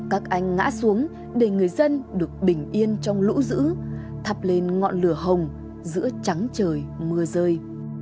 các anh ngã xuống để người dân được bình yên trong lũ dữ thắp lên ngọn lửa hồng giữa trắng trời mưa rơi